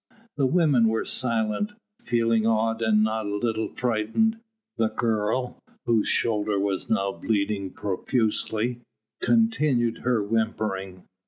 The women were silent, feeling awed and not a little frightened; the girl, whose shoulder was now bleeding profusely, continued her whimpering.